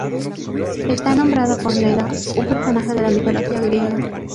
Está nombrado por Leda, un personaje de la mitología griega.